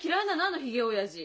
あのひげおやじ。